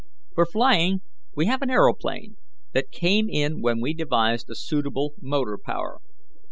"For flying, we have an aeroplane that came in when we devised a suitable motor power.